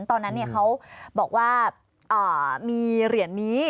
ตอนนั้นเขาบอกว่ามีเหรียญนี้